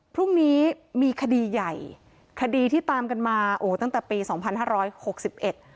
พรุ่งนี้มีคดีใหญ่คดีที่ตามกันมาโอ้ตั้งแต่ปีสองพันห้าร้อยหกสิบเอ็ด